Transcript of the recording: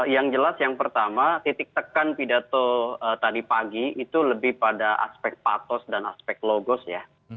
yang jelas yang pertama titik tekan pidato tadi pagi itu lebih pada aspek patos dan aspek logos ya